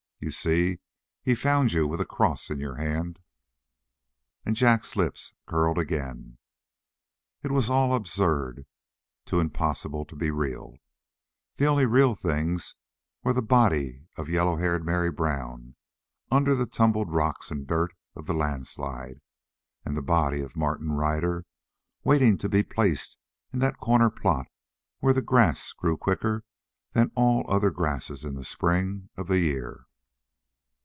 You see, he found you with a cross in your hand." And Jack's lips curled again. It was all absurd, too impossible to be real. The only real things were the body of yellow haired Mary Brown, under the tumbled rocks and dirt of the landslide, and the body of Martin Ryder waiting to be placed in that corner plot where the grass grew quicker than all other grass in the spring of the year.